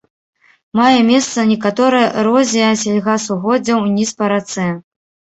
Мае месца некаторая эрозія сельгасугоддзяў уніз па рацэ.